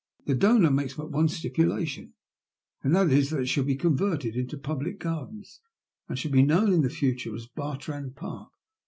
The donor makes but one stipulation, and that is that it shall be converted into public gardens, and shall be known in the future as Bartrand Park.